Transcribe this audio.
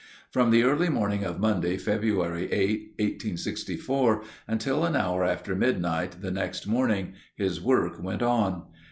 From the early morning of Monday, February 8, 1864, until an hour after midnight the next morning his work went on.